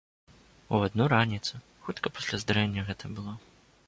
У адну раніцу, хутка пасля здарэння гэта было.